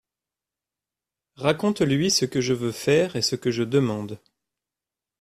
Raconte-lui ce que je veux faire et ce que je demande.